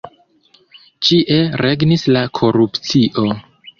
Ĉie regnis la korupcio.